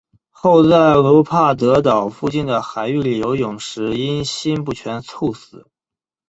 后在卢帕德岛附近的海域里游泳时因心不全猝死。